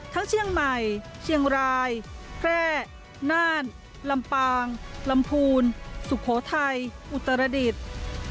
เชียงใหม่เชียงรายแพร่น่านลำปางลำพูนสุโขทัยอุตรดิษฐ์